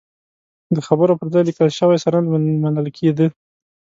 د خبرو پر ځای لیکل شوی سند منل کېده.